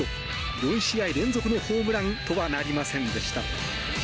４試合連続のホームランとはなりませんでした。